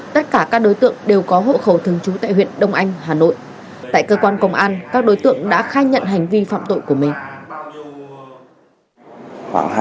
tất cả các đối tượng đều có hộ khẩu thường trú tại huyện đông anh hà nội tại cơ quan công an các đối tượng đã khai nhận hành vi phạm tội của mình